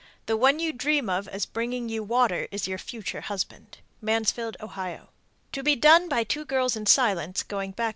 The one you dream of as bringing you water is your future husband. Mansfield, O. To be done by two girls in silence, going backward as they retire.